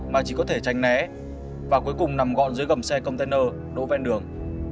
và cuối cùng nằm gọn dưới gầm xe container đỗ ven đường